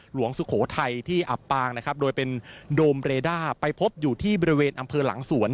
สุโขทัยที่อับปางนะครับโดยเป็นโดมเรด้าไปพบอยู่ที่บริเวณอำเภอหลังสวน